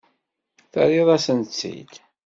Terriḍ-asent-tt-id?